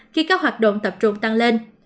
khi các hoạt động tập trung tăng lên